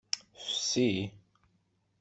Fsi.